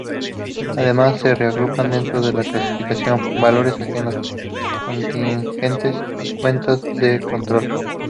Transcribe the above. Además, se reagrupan dentro de la clasificación: valores ajenos, contingentes y cuentas de control.